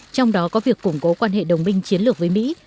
trong đó có việc củng cố quan hệ đồng minh chiến lược với mỹ